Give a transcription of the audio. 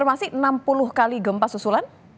informasi enam puluh kali gempa susulan